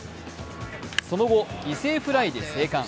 その後、犠牲フライで生還。